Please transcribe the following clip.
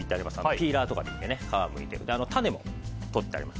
ピーラーとかでいいので皮をむいて種もとってあります。